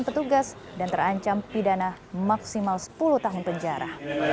petugas dan terancam pidana maksimal sepuluh tahun penjara